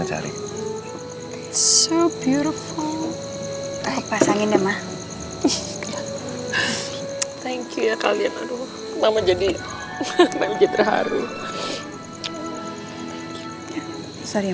terima kasih ya kalian aduh mama jadi terharu